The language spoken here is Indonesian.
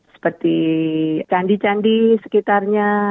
seperti candi candi sekitarnya